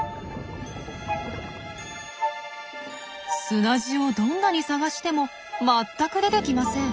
砂地をどんなに探しても全く出てきません。